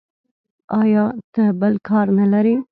ایا ته بل کار نه لرې.